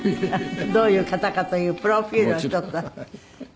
どういう方かというプロフィルをちょっと。